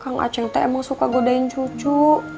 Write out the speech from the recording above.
kang aceng teh emang suka goda godain cucu